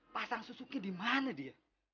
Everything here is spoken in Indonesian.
pasang susuknya dimana dia